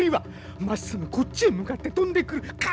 まっすぐこっちへ向かって飛んでくる。か！